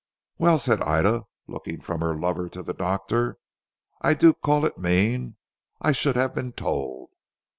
"Well," said Ida, looking from her lover to the doctor, "I do call it mean. I should have been told."